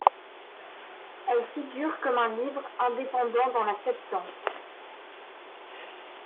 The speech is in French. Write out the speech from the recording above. Elle figure comme un livre indépendant dans la Septante.